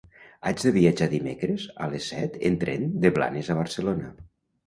Haig de viatjar dimecres a les set en tren de Blanes a Barcelona.